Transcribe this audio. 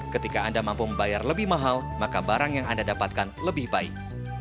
ketika anda mampu membayar lebih mahal maka barang yang anda dapatkan lebih baik